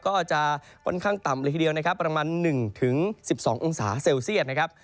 ก็จะค่อนข้างต่ำเลยทีเดียวนะครับประมาณ๑๑๒องศาเซลเซียตนะครับ